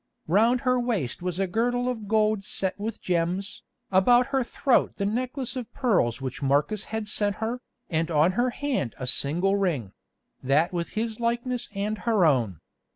Round her waist was a girdle of gold set with gems, about her throat the necklace of pearls which Marcus had sent her, and on her hand a single ring—that with his likeness and her own.